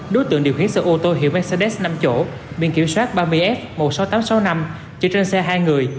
đối tượng điều khiển xe ô tô hiệu mercedes năm chỗ biển kiểm soát ba mươi f một mươi sáu nghìn tám trăm sáu mươi năm chạy trên xe hai người